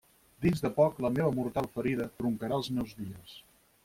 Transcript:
Dins de poc la meva mortal ferida truncarà els meus dies.